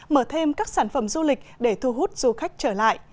mở thêm các sản phẩm du lịch để thu hút du khách trở lại